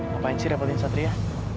ngapain sih repetin satria